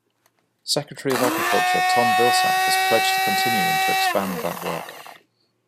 Secretary of Agriculture Tom Vilsack has pledged to continue and to expand that work.